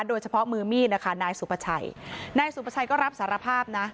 โดยเฉพาะมือมีดนะคะนายสุประชัยนายสุประชัยก็รับสารภาพนะ